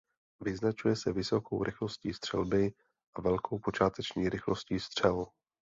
Vyznačuje se vysokou rychlostí střelby a velkou počáteční rychlostí střel.